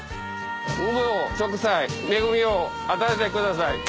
無病息災恵みを与えてください。